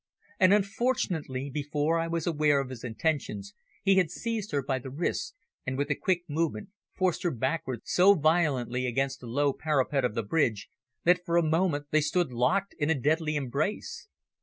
And, unfortunately, before I was aware of his intentions he had seized her by the wrists and, with a quick movement, forced her backwards so violently against the low parapet of the bridge that for a moment they stood locked in a deadly embrace.